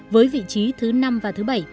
với vị trí thứ năm và thứ bảy